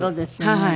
はい。